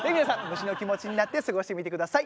虫の気持ちになって過ごしてみてください。